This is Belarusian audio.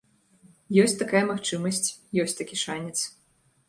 Ёсць такая магчымасць, ёсць такі шанец.